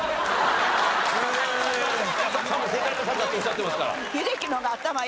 ３問正解なさったっておっしゃってますから。